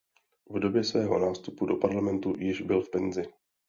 V době svého nástupu do parlamentu již byl v penzi.